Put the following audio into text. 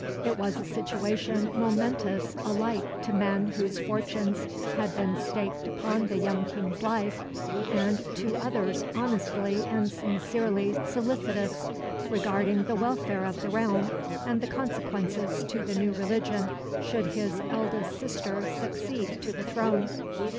It was a situation momentous alike to men whose fortunes had been staked upon the young King's life, and to others honestly and sincerely solicitous regarding the welfare of the realm and the consequences to the new religion should his eldest sister succeed to the throne.